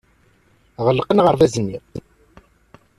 Ɣelqen aɣerbaz-nni.